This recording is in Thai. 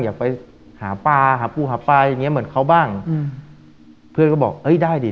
อยากไปหาปลาหาปูหาปลาอย่างเงี้เหมือนเขาบ้างอืมเพื่อนก็บอกเอ้ยได้ดิ